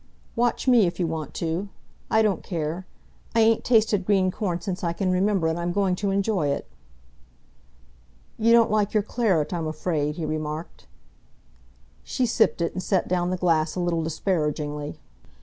"Watch me, if you want to. I don't care. I ain't tasted green corn since I can remember, and I'm going to enjoy it." "You don't like your claret, I'm afraid," he remarked. She sipped it and set down the glass a little disparagingly.